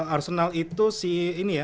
arsenal itu si ini ya